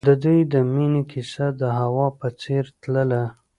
د دوی د مینې کیسه د هوا په څېر تلله.